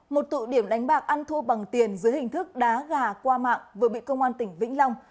một tụ điểm đánh bạc ăn thua bằng tiền dưới hình thức đá gà qua mạng vừa bị công an tỉnh vĩnh long